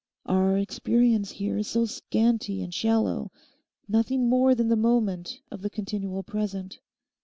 Our experience here is so scanty and shallow—nothing more than the moment of the continual present.